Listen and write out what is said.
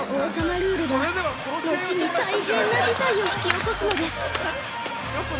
ルールがのちに大変な事態を引き起こすのです。